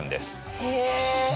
へえ。